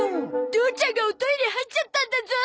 父ちゃんがおトイレ入っちゃったんだゾ！